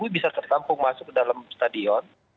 lima belas bisa tertampung masuk ke dalam stadion